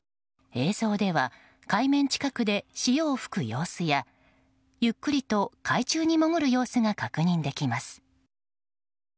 映像では海面近くで潮を吹く様子やゆっくりと海中に潜る様子が確認できます。